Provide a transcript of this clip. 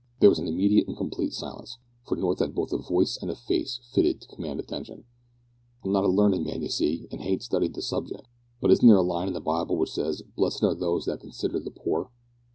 There was an immediate and complete silence, for North had both a voice and a face fitted to command attention. "I'm not a learned man, you see, an' hain't studied the subjec', but isn't there a line in the Bible which says, `Blessed are they that consider the poor?'